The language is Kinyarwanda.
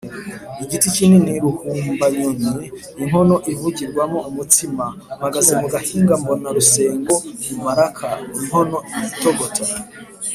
Igiti kinini ruhumbanyoni.-Inkono ivugirwamo umutsima. Mpagaze mu gahinga mbona Rusengo mu maraka.-Inkono itogota.